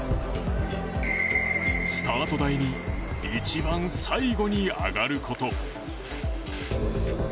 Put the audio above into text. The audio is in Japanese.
スタート台に一番最後に上がること。